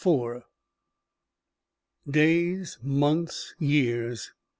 IV Days, months, years.